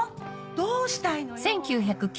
どうしたいのよ？